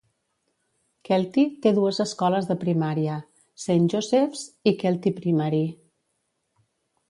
Kelty té dues escoles de primària, Saint Joseph's i Kelty Primary.